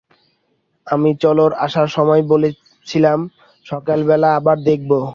আমি চলর আসার সময় বলেছিলাম, সকালবেলা আবার দেখব।